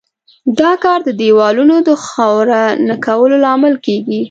دا کار د دېوالونو د خاوره نه کولو لامل کیږي.